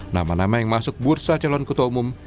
nama nama yang masuk bursa calon ketua umum